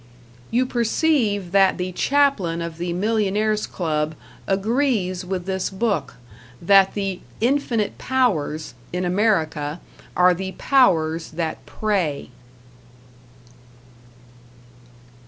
You perceive that the Chaplain of the Millionaires' Club agrees with this book, that the "infinite powers" in America are the powers that prey!